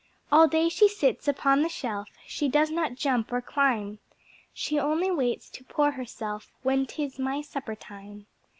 All day she sits upon the shelf, She does not jump or climb She only waits to pour herself When 'tis my supper time.